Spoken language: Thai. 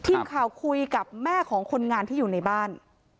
ทีมข่าวคุยกับแม่ของคนงานที่อยู่ในบ้าน